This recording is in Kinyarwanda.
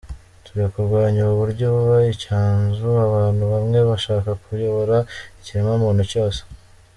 Turi kurwanya ubu buryo buha icyanzu abantu bamwe bashaka kuyobora ikiremwamuntu cyose.